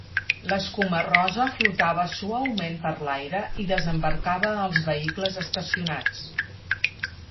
L'escuma rosa flotava suaument per l'aire i desembarcava als vehicles estacionats.